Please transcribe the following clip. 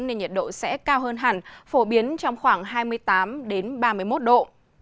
nên nhiệt độ sẽ cao hơn hẳn phổ biến trong khoảng hai mươi tám ba mươi một độ